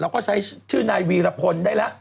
เราก็ใช้ชื่อนายวีระพรหอได้แล้ว